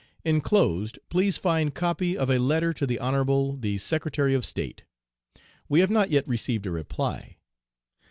Inclosed please find copy of a letter to the Honorable the Secretary of State. We have not yet received a reply.